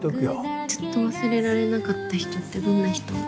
ずっと忘れられなかった人ってどんな人？